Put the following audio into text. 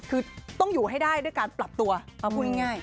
คือต้องอยู่ให้ได้ด้วยการปรับตัวเอาพูดง่าย